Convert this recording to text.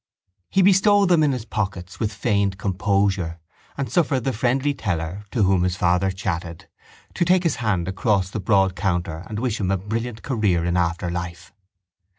He bestowed them in his pockets with feigned composure and suffered the friendly teller, to whom his father chatted, to take his hand across the broad counter and wish him a brilliant career in after life.